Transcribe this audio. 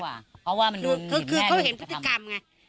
คือเขาเห็นธุรกรรมไง